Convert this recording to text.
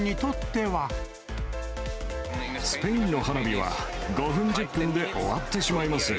スペインの花火は５分、１０分で終わってしまいます。